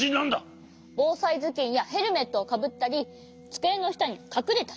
ぼうさいずきんやヘルメットをかぶったりつくえのしたにかくれたり。